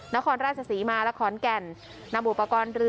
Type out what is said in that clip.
นครราชสีมาและผลแก่นนาบรับปรากรเรือ